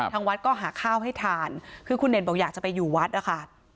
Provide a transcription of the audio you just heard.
ทางวัดก็หาข้าวให้ทานคือคุณเด่นบอกอยากจะไปอยู่วัดนะคะ